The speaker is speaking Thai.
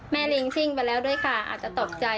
ลิงซิ่งไปแล้วด้วยค่ะอาจจะตกใจ